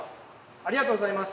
ありがとうございます！